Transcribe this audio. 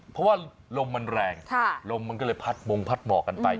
เพราะว่าลมมันแรงลมมันก็เลยพัดมงพัดหมอกกันไป